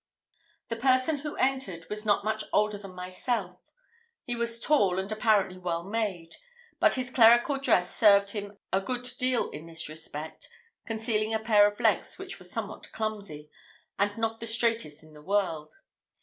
The person who entered was not much older than myself; he was tall and apparently well made, but his clerical dress served him a good deal in this respect, concealing a pair of legs which were somewhat clumsy, and not the straightest in the world.